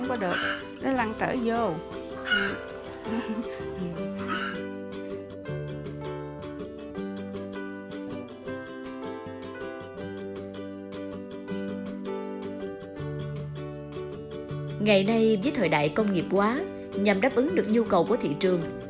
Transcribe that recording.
ngày nay với thời đại công nghiệp quá nhằm đáp ứng được nhu cầu của thị trường